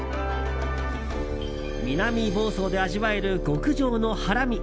南房総で味わえる極上のハラミ。